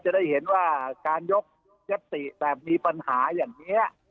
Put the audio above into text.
จะได้เห็นว่าการยกยศติแต่มีปัญหาอย่างนี้